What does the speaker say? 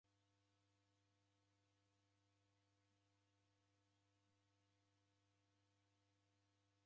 Kula mundu uro barakoa usekenekeria w'ambao korona.